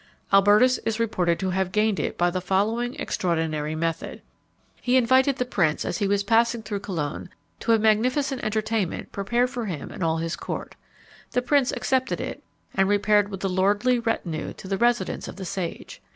Albertus is reported to have gained it by the following extraordinary method: He invited the prince as he was passing through Cologne to a magnificent entertainment prepared for him and all his court. The prince accepted it, and repaired with a lordly retinue to the residence of the sage.